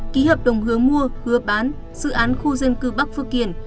ký hợp đồng hướng mua hứa bán dự án khu dân cư bắc phước kiển